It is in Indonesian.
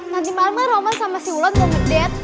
nanti malem kan roman sama si wulan mau ngedet